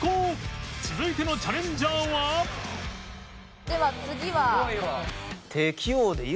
続いてのチャレンジャーはでは次は？